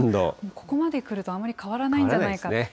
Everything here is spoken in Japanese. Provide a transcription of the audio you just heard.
ここまで来ると、あまり変わらないんじゃないかと。